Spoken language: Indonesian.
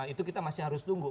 itu kita masih harus tunggu